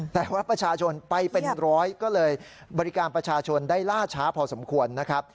แต่ว่าประชาชนไปเป็นร้อยก็เลยบริการประชาชนได้ล่าช้าพอสมควรนะครับ